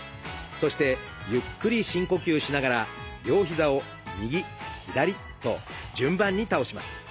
そしてゆっくり深呼吸しながら両膝を右左と順番に倒します。